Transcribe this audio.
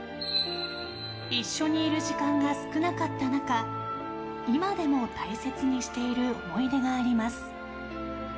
一緒にいる時間が少なかった中今でも大切にしている思い出があります。